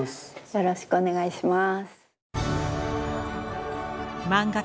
よろしくお願いします。